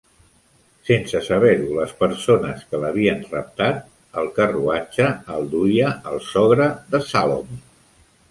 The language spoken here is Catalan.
Sense saber-ho les persones que l'havien raptat, el carruatge el duia el sogre de Salomon.